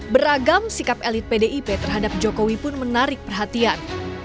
beragam sikap elit pdip terhadap jokowi pun menarik perhatian